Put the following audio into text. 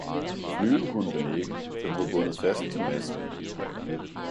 flyve kunne den ikke, den var bundet fast til masten.